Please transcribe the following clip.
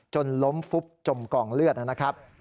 จนล้มฟุบจมกองเลือดนะครับ